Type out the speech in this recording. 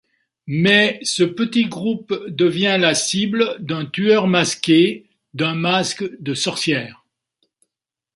Mais ce petit groupe devient la cible d'un tueur masqué d'un masque de sorcière...